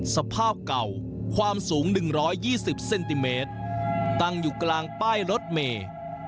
สภาพเก่าความสูงหนึ่งร้อยยี่สิบเซนติเมตรตั้งอยู่กลางป้ายรถเมย์